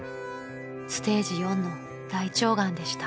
［ステージ４の大腸がんでした］